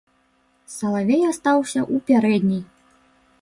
Салавей астаўся ў пярэдняй.